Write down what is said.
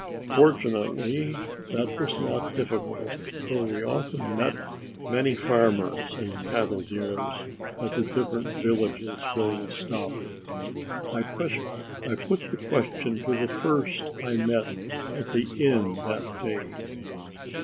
Fortunately, that was not difficult for we often met many farmers and cattle dealers at the different villages where we stopped. I put the question to the first I met at the inn that day.